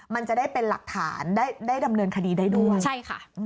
มันจะได้เป็นหลักฐานได้ดำเนินคดีได้ด้วย